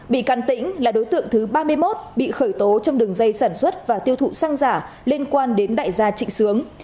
bị can tĩnh là đối tượng thứ ba mươi một bị khởi tố trong đường dây sản xuất và tiêu thụ xăng giả liên quan đến đại gia trịnh sướng